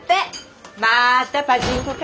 またパチンコか。